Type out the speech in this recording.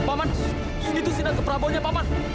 paman itu sinar keprabohnya paman